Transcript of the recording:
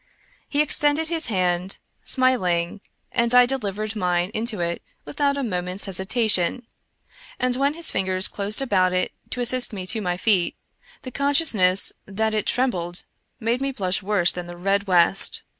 He extended his hand, smiling, and I delivered mine into it without a moment's hesitation, and when his fingers closed about it to assist me to my feet, the consciousness that it trembled made me blush worse than the red west.